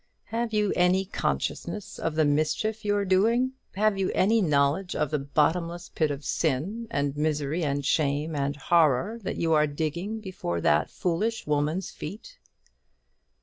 Have you any consciousness of the mischief you're doing? have you any knowledge of the bottomless pit of sin, and misery, and shame, and horror that you are digging before that foolish woman's feet?"